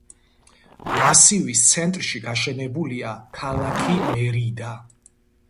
მასივის ცენტრში გაშენებულია ქალაქი მერიდა.